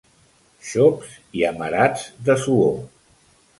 Xops i amarats de suor.